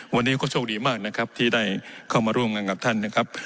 วันนี้ก็โชคดีมากนะครับที่ได้เข้ามาร่วมงานกับท่านนะครับ